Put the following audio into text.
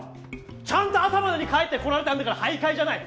ちゃんと朝までに帰ってこられたんだから徘徊じゃない。